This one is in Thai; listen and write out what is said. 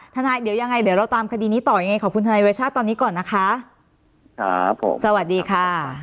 ทนายเดี๋ยวยังไงเดี๋ยวเราตามคดีนี้ต่อยังไงขอบคุณทนายเวชาติตอนนี้ก่อนนะคะครับผมสวัสดีค่ะ